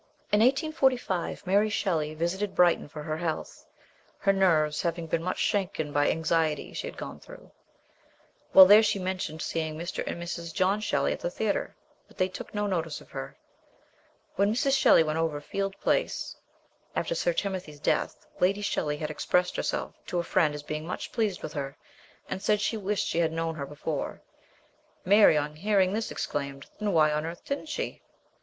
In 1845 Mary Shelley visited Brighton for her health, her nerves having been much shaken by the anxiety she had gone through. While there she men LAST YEARS. 237 tioned seeing Mr. and Mrs. John Shelley at the Theatre, but they took no notice of her. When Mrs. Shelley went over Field Place after Sir Timothy's death, Lady Shelley had expressed herself to a friend as being much pleased with her, and said she wished she had known her before : Mary on hearing this exclaimed, " Then why on earth didn't she